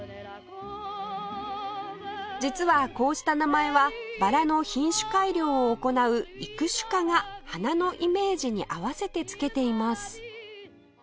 実はこうした名前はバラの品種改良を行う育種家が花のイメージに合わせて付けています